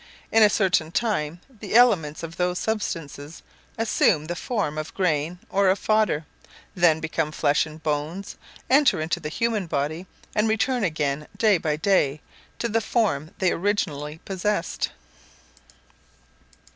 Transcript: In a certain time, the elements of those substances assume the form of grain, or of fodder, then become flesh and bones, enter into the human body, and return again day by day to the form they originally possessed.